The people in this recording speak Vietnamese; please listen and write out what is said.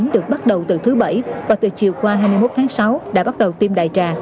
được bắt đầu từ thứ bảy và từ chiều qua hai mươi một tháng sáu đã bắt đầu tiêm đại trà